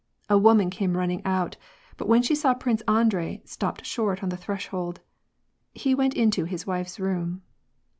A woman came running out, but when she saw Prince Andrei, stopped short on the thresh hold. He went into his wife's room.